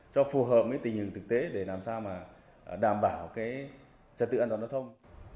cho phù hợp với tình hình thực tế để làm sao mà đảm bảo trật tự an toàn giao thông